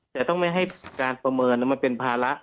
แต่ต้องไม่ให้การประเมินมันเป็นภาระ